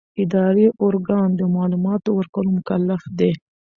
اداري ارګان د معلوماتو ورکولو مکلف دی.